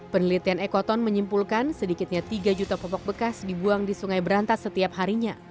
penelitian ekoton menyimpulkan sedikitnya tiga juta popok bekas dibuang di sungai berantas setiap harinya